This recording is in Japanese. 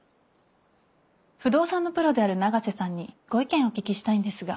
不動産のプロである永瀬さんにご意見をお聞きしたいんですが。